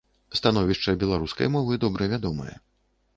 Становішча беларускай мовы добра вядомае.